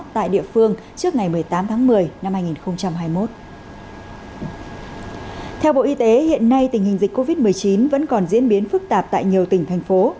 theo bộ y tế hiện nay tình hình dịch covid một mươi chín vẫn còn diễn biến phức tạp tại nhiều tỉnh thành phố